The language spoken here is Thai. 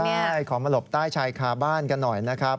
ใช่ขอมาหลบใต้ชายคาบ้านกันหน่อยนะครับ